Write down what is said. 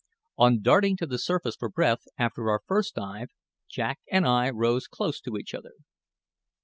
On darting to the surface for breath after our first dive, Jack and I rose close to each other.